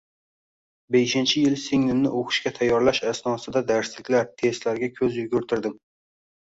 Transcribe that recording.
Beshinchi yil singlimni o`qishga tayyorlash asonosida darsliklar, testlarga ko`z yugurtirdim